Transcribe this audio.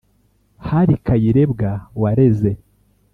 hari kayirebwa wareze